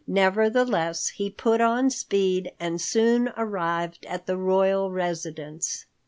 Nevertheless he put on speed and soon arrived at the royal residence.